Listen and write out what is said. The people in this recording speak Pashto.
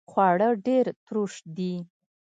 خواړه ډیر تروش دي